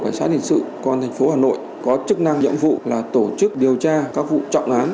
cảnh sát hình sự con thành phố hà nội có chức năng nhiệm vụ là tổ chức điều tra các vụ trọng án